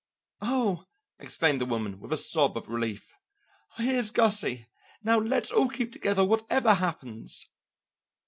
"Oh," exclaimed the woman with a sob of relief, "here's Gussie; now let's all keep together whatever happens."